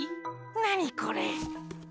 なにこれ？